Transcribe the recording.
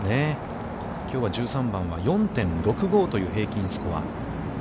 きょうは１３番は、４．６５という平均スコア。